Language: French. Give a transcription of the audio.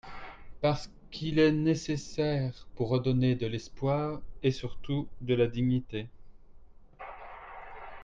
parce qu’il est nécessaire pour redonner de l’espoir et surtout de la dignité.